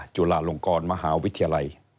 จุฬาลงกรมหาวิทยาลัย